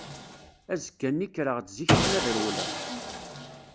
Azekka-nni kkreɣ-d zik akken ad rewleɣ.